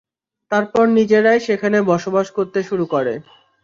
তারপর নিজেরাই সেখানে বসবাস করতে শুরু করে।